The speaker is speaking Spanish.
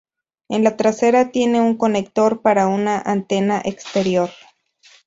En la trasera tiene un conector para una antena exterior.